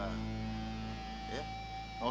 kita bisa berhenti nanti